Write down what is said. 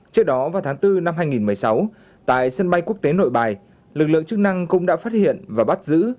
trước đó vào tháng bốn năm hai nghìn một mươi sáu tại sân bay quốc tế nội bài lực lượng chức năng cũng đã phát hiện và bắt giữ